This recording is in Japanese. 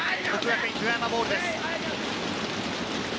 國學院久我山ボールです。